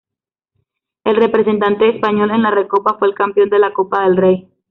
El representante español en la Recopa fue el campeón de la Copa del Rey.